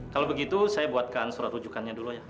kalau begitu saya buatkan surat rujukannya dulu ya